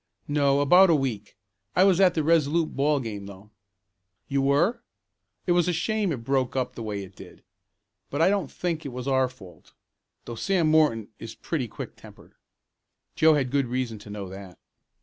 "No, about a week. I was at the Resolute ball game though." "You were? It was a shame it broke up the way it did, but I don't think it was our fault, though Sam Morton is pretty quick tempered." Joe had good reason to know that.